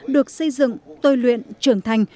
được xây dựng tôi luyện trưởng thành